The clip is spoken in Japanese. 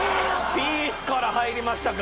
ピースから入りましたか。